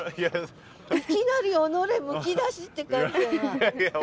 いきなり己むき出しって感じじゃない。